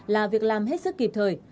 là việc làm hết sức kịp thời